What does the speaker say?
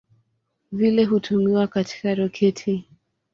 Vile hutumiwa katika roketi.